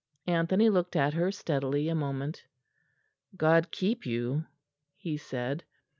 Anthony looked at her steadily a moment. "God keep you," he said.